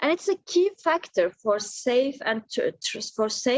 dan itu adalah faktor utama untuk perjalanan dan perumahan yang aman